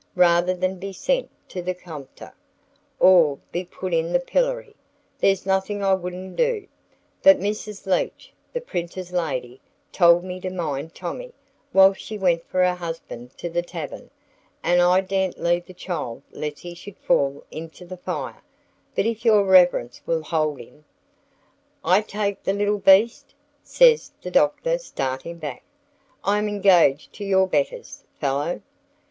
"Rather than be sent to the Compter, or be put in the pillory, there's nothing I wouldn't do. But Mrs. Leach, the printer's lady, told me to mind Tommy whilst she went for her husband to the tavern, and I daren't leave the child lest he should fall into the fire; but if your Reverence will hold him " "I take the little beast!" says the Doctor, starting back. "I am engaged to your betters, fellow.